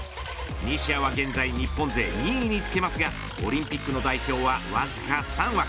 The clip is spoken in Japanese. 西矢は現在日本勢２位につけますがオリンピックの代表はわずか３枠。